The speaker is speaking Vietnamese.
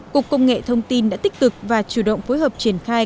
cục công nghệ thông tin đã tích cực và chủ động phối hợp triển khai